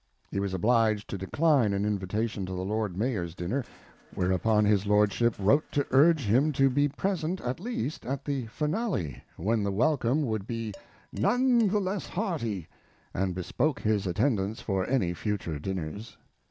He was obliged to decline an invitation to the Lord Mayor's dinner, whereupon his Lordship wrote to urge him to be present at least at the finale, when the welcome would be "none the less hearty," and bespoke his attendance for any future dinners.